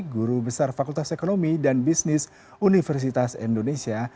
guru besar fakultas ekonomi dan bisnis universitas indonesia